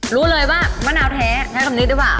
รู้เลยว่ามะนาวแท้ใช้คำนี้ดีกว่า